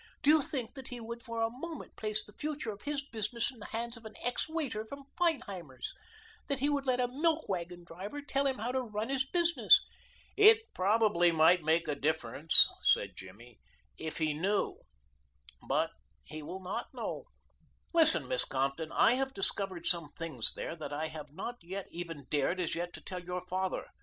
Do you think that he would for a moment place the future of his business in the hands of an ex waiter from Feinheimer's that he would let a milk wagon driver tell him how to run his business?" "It probably might make a difference," said Jimmy, "if he knew, but he will not know listen, Miss Compton, I have discovered some things there that I have not even dared as yet to tell your father.